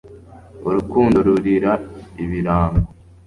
Urukundo rurira ibirango